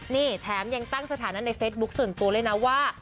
นี่แถมยังตั้งสถานะในเฟซบุ๊คส่วนตัวเลยนะว่า